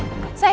wah pingsan dia